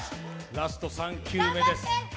ラスト３球目です。